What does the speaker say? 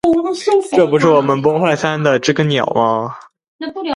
这不是我们崩坏三的知更鸟吗